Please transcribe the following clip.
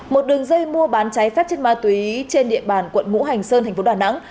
một đường dây mua bán trái phép trên ma túy trên địa bàn quận ngũ hành sơn tp đà nẵng